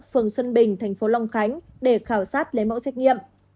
phường xuân bình tp lòng khánh để khảo sát lấy mẫu xét nghiệm